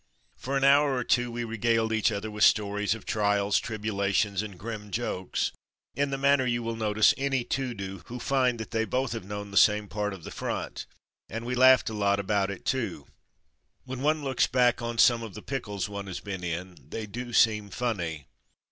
For an hour or two we regaled each other with stories of trials, tribulations, and grim jokes, in the manner that you will notice any two do who find that they both have known the same part of the front, and we laughed a lot about it, too. When one Meet My C. O. 103 looks back on some of the pickles one has been in, they do seem funny.